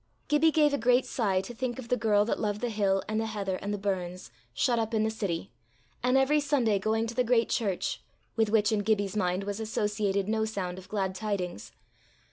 Gibbie gave a great sigh to think of the girl that loved the hill and the heather and the burns, shut up in the city, and every Sunday going to the great church with which in Gibbie's mind was associated no sound of glad tidings.